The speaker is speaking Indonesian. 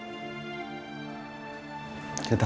kita ini punya niat yang baik